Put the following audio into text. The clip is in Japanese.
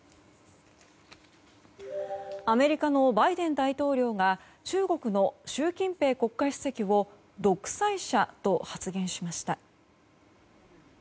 アメリカのバイデン大統領が中国の習近平国家主席を独裁者と発言しました。